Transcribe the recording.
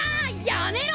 やめろ！